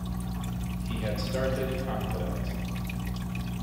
He had started confident.